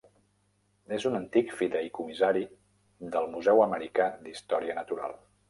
És un antic fideïcomissari del Museu Americà d'Història Natural.